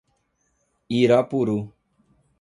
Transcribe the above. Irapuru